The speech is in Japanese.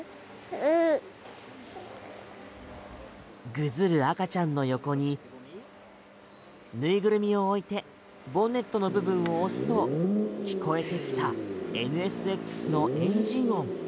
ぐずる赤ちゃんの横にぬいぐるみを置いてボンネットの部分を押すと聞こえてきたＮＳＸのエンジン音。